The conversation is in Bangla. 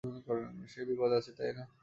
সে বিপদে আছে, তাই না?